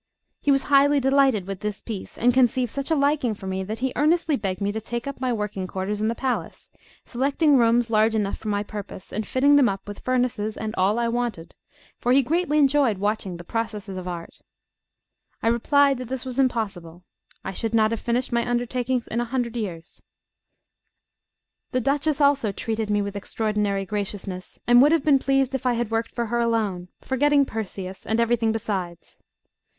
He was highly delighted with this piece, and conceived such a liking for me that he earnestly begged me to take up my working quarters in the palace, selecting rooms large enough for my purpose, and fitting them up with furnaces and all I wanted, for he greatly enjoyed watching the processes of art. I replied that this was impossible; I should not have finished my undertakings in a hundred years. Note 1. These two brothers were specially eminent as die casters. Gianpagolo went to Spain, and served Philip II. LIX THE DUCHESS also treated me with extraordinary graciousness, and would have been pleased if I had worked for her alone, forgetting Perseus and everything besides.